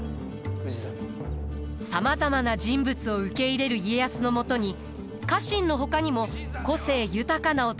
さまざまな人物を受け入れる家康のもとに家臣のほかにも個性豊かな男たちが集います。